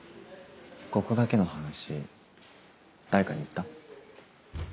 ここだけの話誰かに言った？